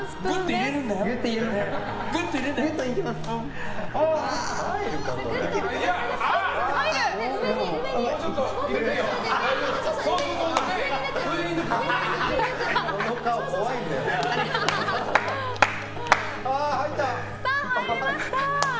入りました！